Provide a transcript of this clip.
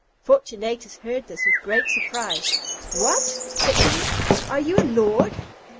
Fortunatus heard this with great surprise. "What!" said he, "are you a lord?